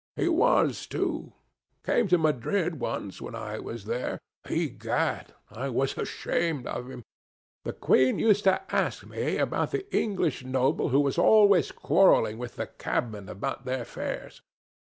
He was, too. Came to Madrid once when I was there. Egad, I was ashamed of him. The Queen used to ask me about the English noble who was always quarrelling with the cabmen about their fares.